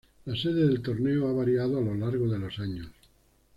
La sede del torneo ha variado a lo largo de los años.